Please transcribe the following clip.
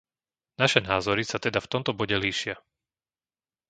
Naše názory sa teda v tomto bode líšia.